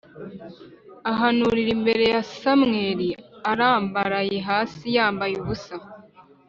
ahanurira imbere ya Samweli arambaraye hasi yambaye ubusa